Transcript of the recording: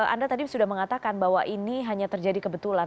anda tadi sudah mengatakan bahwa ini hanya terjadi kebetulan